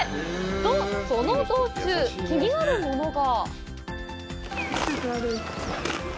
と、その道中、気になるものが。